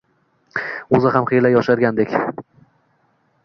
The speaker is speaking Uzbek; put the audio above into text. O`zi ham xiyla yoshargandek